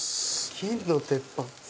金の鉄板。